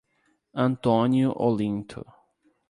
Antônio Olinto